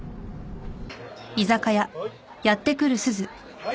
はい。